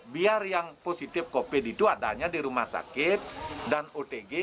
biar yang positif covid itu adanya di rumah sakit dan otg